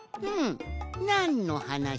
なんのはなしかな？